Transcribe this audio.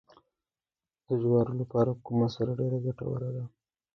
د جوارو لپاره کومه سره ډیره ګټوره ده؟